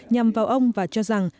nhằm vào ông và cho rằng